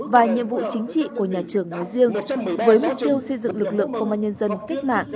và nhiệm vụ chính trị của nhà trường nói riêng với mục tiêu xây dựng lực lượng công an nhân dân cách mạng